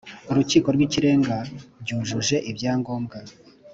Urukiko rw Ikirenga byujuje ibyangombwa